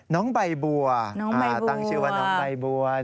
น้องใบบัวตั้งชื่อว่าน้องใบบัว